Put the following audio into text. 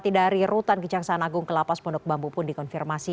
putri chandra wati dari rutan kejangsaan agung ke lapas pondok bambu pun dikonfirmasi